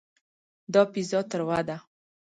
دا پیزا تروه ده.